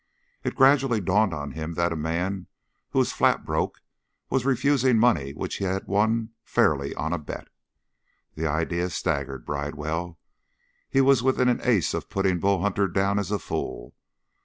It gradually dawned on him that a man who was flat broke was refusing money which he had won fairly on a bet. The idea staggered Bridewell. He was within an ace of putting Bull Hunter down as a fool.